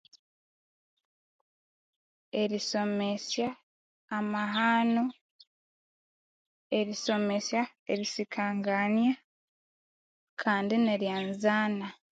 Erisomesya erisikangania Kandi neryanzana